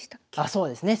そうですね